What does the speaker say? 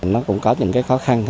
nó cũng có những khó khăn